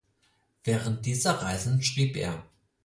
Während dieser Reisen schrieb er.